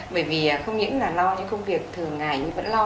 bởi vì không những là lo những công việc thường ngày như vẫn lo